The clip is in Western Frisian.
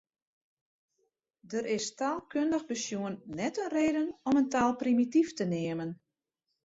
Der is taalkundich besjoen net in reden om in taal primityf te neamen.